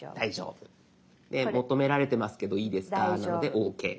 で「求められてますけどいいですか？」なので「ＯＫ」です。